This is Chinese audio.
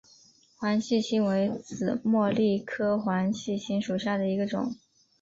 黄细心为紫茉莉科黄细心属下的一个种。